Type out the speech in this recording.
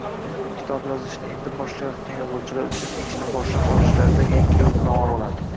kitob yozishni endi boshlayotgan yozuvchilar uchun ishni boshlab olishlarida yaxshi yo’riqnoma bo’ladi